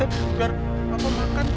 biar mam makan